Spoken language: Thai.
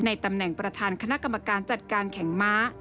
ตำแหน่งประธานคณะกรรมการจัดการแข่งม้า